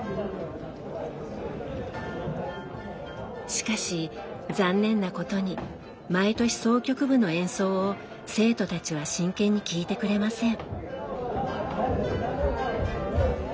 しかし残念なことに毎年箏曲部の演奏を生徒たちは真剣に聴いてくれません。